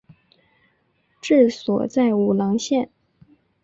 治所在武郎县。